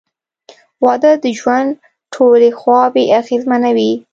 • واده د ژوند ټولې خواوې اغېزمنوي.